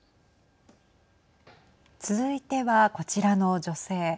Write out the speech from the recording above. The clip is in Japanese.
続いては、こちらの女性。